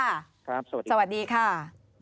อ้าวครับสวัสดีค่ะ